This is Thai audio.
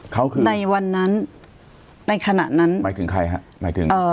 เขาคือในวันนั้นในขณะนั้นหมายถึงใครฮะหมายถึงเอ่อ